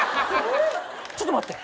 ちょっと待って。